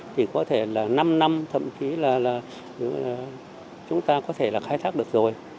thì có thể là năm năm thậm chí là chúng ta có thể là khai thác được rồi